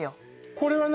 これは何？